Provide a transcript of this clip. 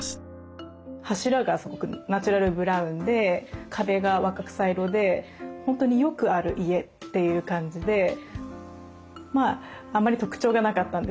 柱がすごくナチュラルブラウンで壁が若草色で本当によくある家という感じであんまり特徴がなかったんですね。